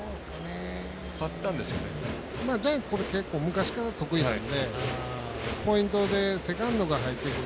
ジャイアンツこれ結構、昔から得意なのでポイントでセカンドが入ってくる。